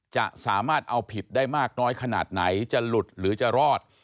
สามารถเอาผิดได้มากน้อยขนาดไหนจะหลุดหรือจะรอด